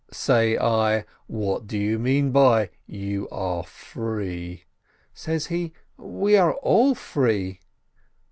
Say I, "What do you mean by 'you are free'?" Says he, "We are all free."